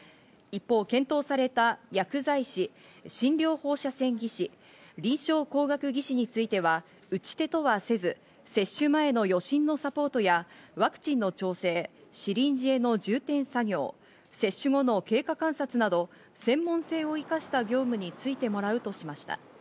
一方、検討された薬剤師、診療放射線技師、臨床工学技士については、打ち手とはせず、接種前の予診のサポートやワクチンの調整・シリンジへの充てん作業、接種後の経過観察など専門性を生かした業務についてもらうとしました。